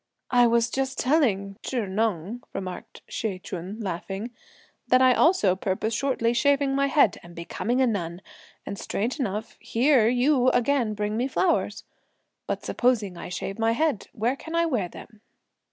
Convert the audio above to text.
"I was just telling Chih Neng," remarked Hsi Ch'un laughing, "that I also purpose shortly shaving my head and becoming a nun; and strange enough, here you again bring me flowers; but supposing I shave my head, where can I wear them?"